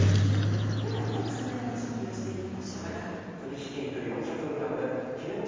ではつくねの準備をして行きましょうか。